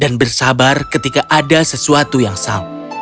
dan bersabar ketika ada sesuatu yang sama